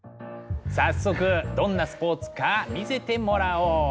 早速どんなスポーツか見せてもらおう。